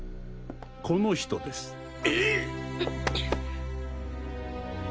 この人です。えっ！